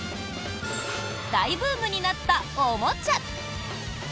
大ブームになったおもちゃ。